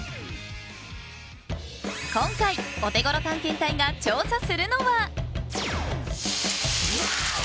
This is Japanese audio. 今回、オテゴロ探検隊が調査するのは。